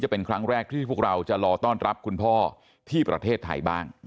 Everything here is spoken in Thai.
เป็นครั้งแรกที่พวกเราจะรอต้อนรับคุณพ่อที่ประเทศไทยบ้าง